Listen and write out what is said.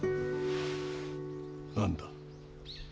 何だ？